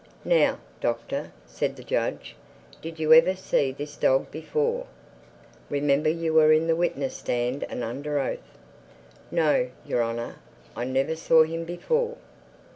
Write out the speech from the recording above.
"Now, Doctor," said the judge, "did you ever see this dog before?—Remember you are in the witness stand and under oath." "No, Your Honor, I never saw him before."